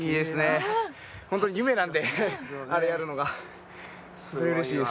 ホント夢なんで、あれやるのがホントうれしいです。